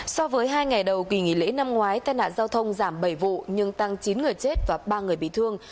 so với hai ngày đầu kỳ nghỉ lễ năm ngoái tai nạn giao thông giảm bảy vụ nhưng tăng chín người chết và ba người bị thương